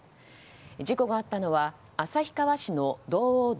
事故があったのは旭川市の道央道